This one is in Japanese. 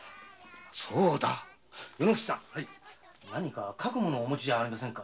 そうだ何か書くものお持ちじゃありませんか？